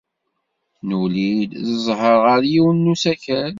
Nuli, d zzheṛ, ɣer yiwen n usakal.